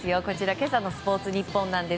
今朝のスポーツニッポン。